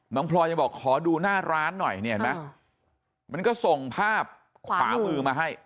พลอยยังบอกขอดูหน้าร้านหน่อยนี่เห็นไหมมันก็ส่งภาพขวามือมาให้